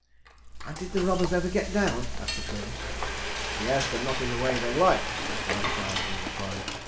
"And did the robbers ever get down?" asked the Twins. "Yes, but not in a way they liked," Mr. Munchausen replied.